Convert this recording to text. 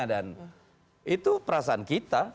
dan itu perasaan kita